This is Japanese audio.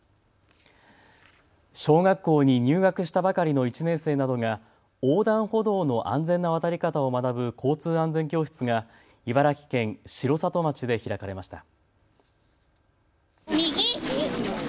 小学校に入学したばかりの１年生などが横断歩道の安全な渡り方を学ぶ交通安全教室が茨城県城里町で開かれました。